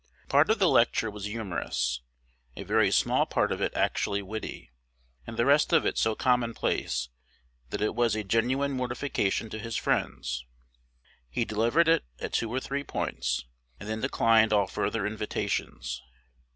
Part of the lecture was humorous; a very small part of it actually witty; and the rest of it so commonplace that it was a genuine mortification to his friends. He delivered it at two or three points, and then declined all further invitations.